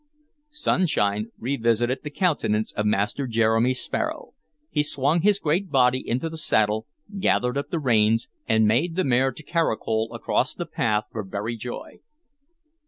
Sunshine revisited the countenance of Master Jeremy Sparrow; he swung his great body into the saddle, gathered up the reins, and made the mare to caracole across the path for very joy.